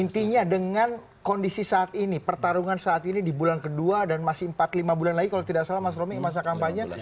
intinya dengan kondisi saat ini pertarungan saat ini di bulan kedua dan masih empat lima bulan lagi kalau tidak salah mas romi masa kampanye